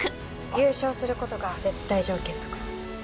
優勝することが絶対条件だから。